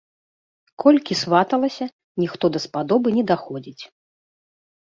Колькі сваталася, ніхто даспадобы не даходзіць.